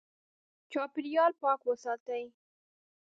چاپېریال پاک وساتئ.